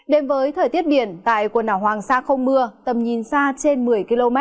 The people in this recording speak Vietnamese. đến với thời tiết biển tại quần đảo hoàng sa không mưa tầm nhìn xa trên một mươi km